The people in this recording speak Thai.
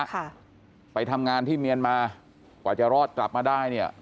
ค่ะไปทำงานที่เมียนมากว่าจะรอดกลับมาได้เนี่ย